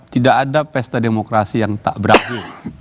tidak ada pesta demokrasi yang tak berarti